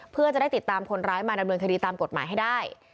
เพื่อจะได้ติดตามคนร้ายมาดำเนินคดีตามกฎหมายให้ได้